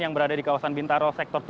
yang berada di kawasan bintaro sektor tiga